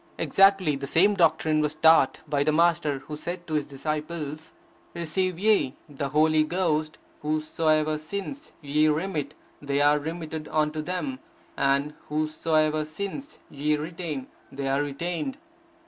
Exactly the same doctrine was taught by the Master who said to his disciples: Receive ye the Holy Ghost: whose soever sins ye remit they are remitted unto them; and whose soever sins ye retain, they are retained.